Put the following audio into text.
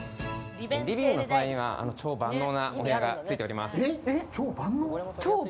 リビングの隣には超万能なお部屋がついております。